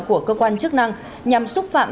của cơ quan chức năng nhằm xúc phạm